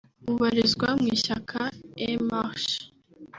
ubarizwa mu ishyaka En Marche